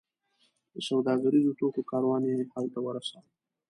د سوداګریزو توکو کاروان یې هلته ورساوو.